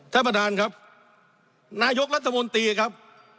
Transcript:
ท่านประธานครับนายกรัฐมนตรีครับ